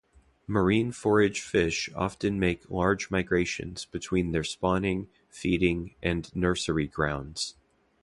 Marine forage fish often make large migrations between their spawning, feeding and nursery grounds.